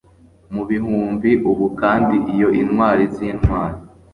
Mu bihumbi ubu Kandi iyo intwari zintwari